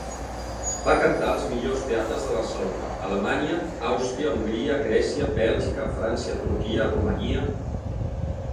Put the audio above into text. Va cantar als millors teatres de Barcelona, Alemanya, Àustria, Hongria, Grècia, Bèlgica, França, Turquia, Romania.